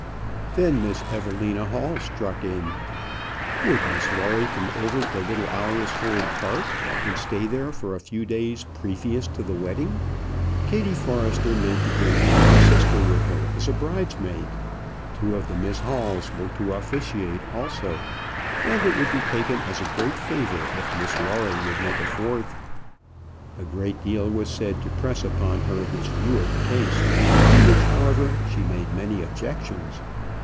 Then Miss Evelina Hall struck in. Would Miss Lawrie come over to Little Alresford Park, and stay there for a few days previous to the wedding? Kattie Forrester meant to bring down a sister with her as a bridesmaid. Two of the Miss Halls were to officiate also, and it would be taken as a great favour if Miss Lawrie would make a fourth. A great deal was said to press upon her this view of the case, to which, however, she made many objections.